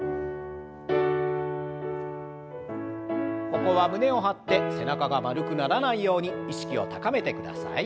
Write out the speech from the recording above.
ここは胸を張って背中が丸くならないように意識を高めてください。